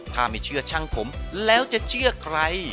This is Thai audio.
ถ้าไม่เชื่อช่างผมแล้วจะเชื่อใคร